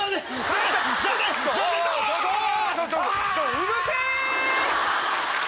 うるせぇ！